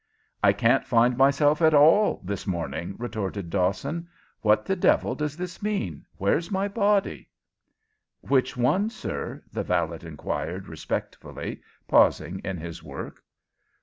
"I can't find myself at all this morning!" retorted Dawson. "What the devil does this mean? Where's my body?" "Which one, sir?" the valet inquired, respectfully, pausing in his work.